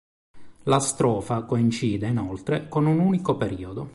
La strofa coincide inoltre con un unico periodo.